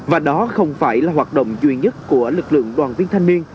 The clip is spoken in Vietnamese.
và đó không phải là hoạt động duy nhất của lực lượng đoàn viên thanh niên